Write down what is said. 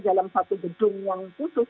dalam satu gedung yang khusus